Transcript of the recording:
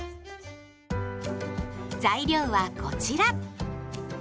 材料はこちら。